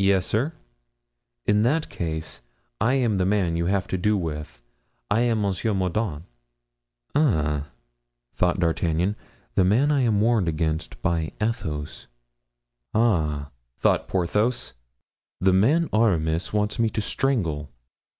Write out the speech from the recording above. "Yes, sir." "In that case, I am the man you have to do with. I am M. Mordaunt." "Ah!" thought D'Artagnan, "the man I am warned against by Athos." "Ah!" thought Porthos, "the man Aramis wants me to strangle."